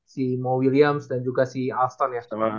si mo williams dan juga si alston ya